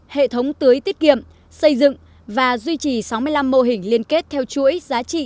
hệ thống tưới tiết kiệm xây dựng và duy trì sáu mươi năm mô hình liên kết theo chuỗi giá trị